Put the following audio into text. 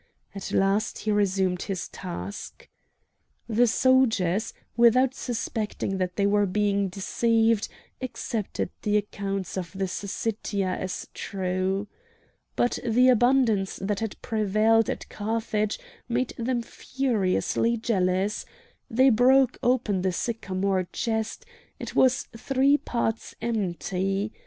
At last he resumed his task. The soldiers, without suspecting that they were being deceived, accepted the accounts of the Syssitia as true. But the abundance that had prevailed at Carthage made them furiously jealous. They broke open the sycamore chest; it was three parts empty.